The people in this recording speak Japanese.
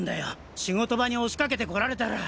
仕事場に押しかけて来られたら。